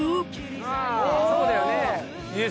あそうだよね。